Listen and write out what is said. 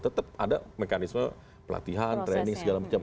tetap ada mekanisme pelatihan training segala macam